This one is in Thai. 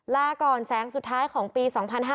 ลาก่อนแสงสุดท้ายของปี๒๕๕๙